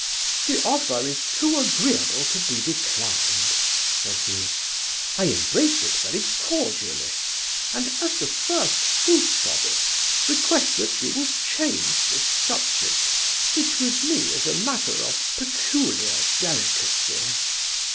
'The offer is too agreeable to be declined (said he); I embrace it very cordially; and, as the first fruits of it, request that you will change this subject, which, with me, is a matter of peculiar delicacy.